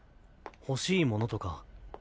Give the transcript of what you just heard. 欲しいものとか。